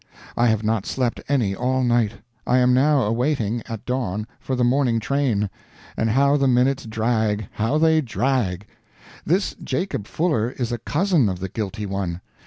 I have not slept any all night. I am now awaiting, at dawn, for the morning train and how the minutes drag, how they drag! This Jacob Fuller is a cousin of the guilty one.